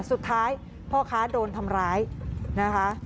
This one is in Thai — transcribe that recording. สุดท้ายพ่อค้าโดนทำร้ายนะคะ